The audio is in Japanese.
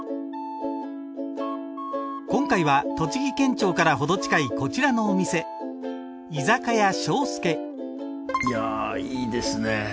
今回は栃木県庁から程近いこちらのお店居酒屋庄助いやいいですね